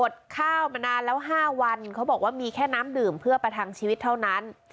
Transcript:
ข้าวมานานแล้ว๕วันเขาบอกว่ามีแค่น้ำดื่มเพื่อประทังชีวิตเท่านั้น